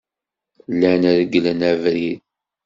Llan reglen abrid.